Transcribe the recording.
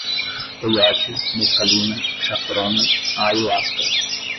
peiote, mescalina, chacrona, ayahuasca